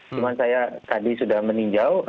cuma saya tadi sudah meninjau